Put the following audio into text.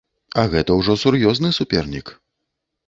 А гэта ўжо сур'ёзны супернік.